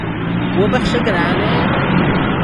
وبخښه ګرانه